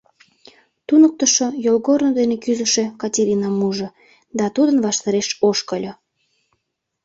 Туныктышо йолгорно дене кӱзышӧ Катеринам ужо да тудын ваштареш ошкыльо.